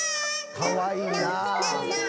かわいいなあ。